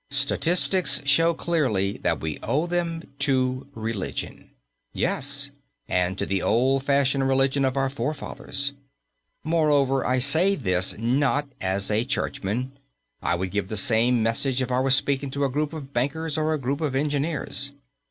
Statistics show clearly that we owe them to religion. Yes, and to the old fashioned religion of our forefathers. Moreover, I say this not as a churchman. I would give the same message if I were speaking to a group of bankers or a group of engineers.